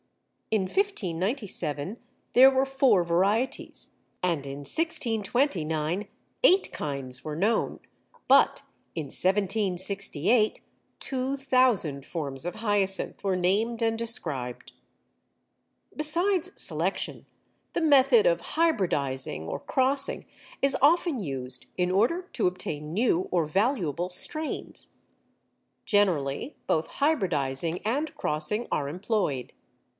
In 1597 there were four varieties, and in 1629 eight kinds were known, but in 1768 two thousand forms of hyacinth were named and described. Besides selection, the method of hybridizing or crossing is often used in order to obtain new or valuable strains. Generally both hybridizing and crossing are employed.